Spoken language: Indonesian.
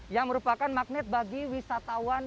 yang merupakan magnet bagi wisatawan